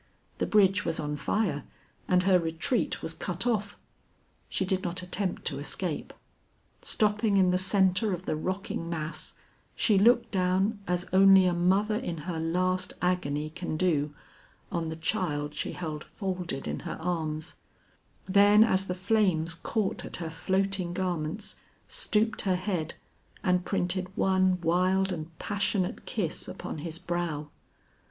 The bridge was on fire and her retreat was cut off. She did not attempt to escape. Stopping in the centre of the rocking mass, she looked down as only a mother in her last agony can do, on the child she held folded in her arms; then as the flames caught at her floating garments, stooped her head and printed one wild and passionate kiss upon his brow.